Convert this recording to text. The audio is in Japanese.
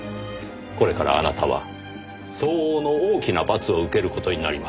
これからあなたは相応の大きな罰を受ける事になります。